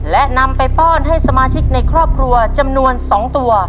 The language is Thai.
และนำไปป้อนให้สมาชิกในครอบครัวจำนวน๒ตัว